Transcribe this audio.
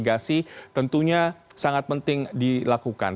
agasi tentunya sangat penting dilakukan